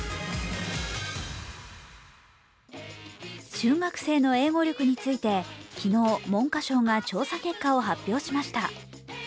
中学生の英語力について昨日、文科省が調査結果を発表しました。